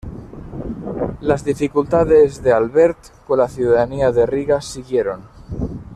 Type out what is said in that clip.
Las dificultades de Albert con la ciudadanía de Riga siguieron.